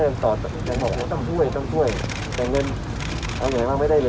เดี๋ยวก่อนคิดอยู่ไงของเก่าก็ยังไม่จบเลย